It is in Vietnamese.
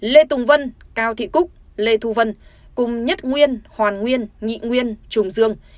lê tùng vân cao thị cúc lê thu vân cùng nhất nguyên hoàn nguyên nhị nguyên trùng dương